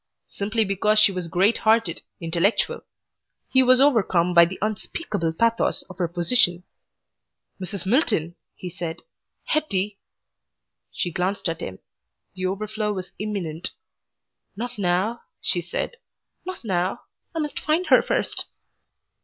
Simply because she was great hearted intellectual. He was overcome by the unspeakable pathos of her position. "Mrs. Milton," he said. "Hetty!" She glanced at him. The overflow was imminent. "Not now," she said, "not now. I must find her first."